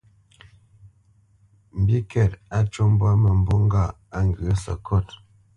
Mbîkɛ́t á cû mbwǎ mə̂mbû ŋgâʼ á ŋgyə̂ səkót.